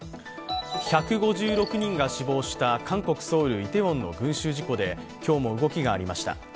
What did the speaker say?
１５６人が死亡した韓国・ソウル、イテウォンの群集事故で今日も動きがありました。